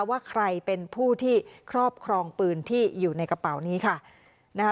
ว่าใครเป็นผู้ที่ครอบครองปืนที่อยู่ในกระเป๋านี้ค่ะ